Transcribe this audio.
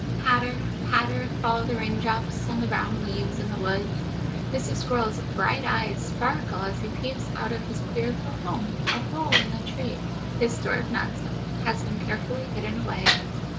Patter, patter, fall the raindrops on the brown leaves in the woods. Mr. Squirrel's bright eyes sparkle as he peeps out of his queer little home, a hole in the tree; his store of nuts has been carefully hidden away.